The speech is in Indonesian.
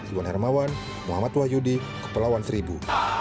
ibuan hermawan muhammad wahyudi kepelawan seribu